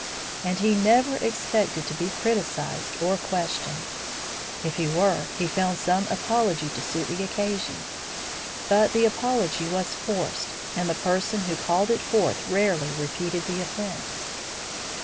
And he never expected to be criticised or questioned. If he were, he found some apology to suit the occasion; but the apology was forced, and the person who called it forth rarely repeated the offence.